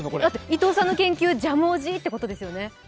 伊藤さんの研究、ジャムおじってことですよね。